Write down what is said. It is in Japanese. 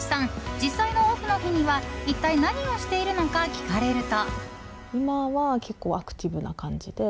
実際のオフの日には一体、何をしているのか聞かれると。